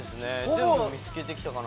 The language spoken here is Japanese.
全部見つけてきたかな。